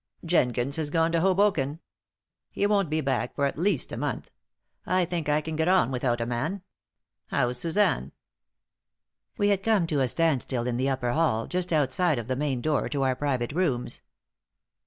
"Jenkins has gone to Hoboken. He won't be back for at least a month. I think I can get on without a man. How's Suzanne?" We had come to a standstill in the upper hall, just outside of the main door to our private rooms.